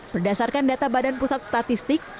berdasarkan data badan pusat statistik